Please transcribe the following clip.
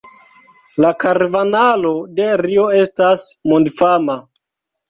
La karnavalo de Rio estas mondfama.